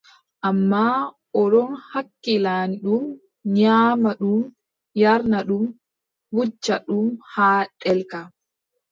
Ammaa o ɗon hakkilani ɗum, nyaamna ɗum, yarna ɗum, wuja ɗum haa ɗelka.